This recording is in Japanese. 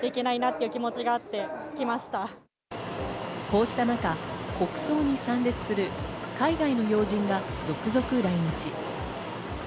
こうした中、国葬に参列する海外の要人が続々来日。